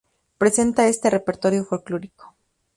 Presenta este repertorio folklórico.